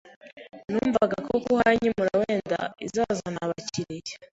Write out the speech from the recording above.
numvagako kuhanyimura wenda izazana abakiriya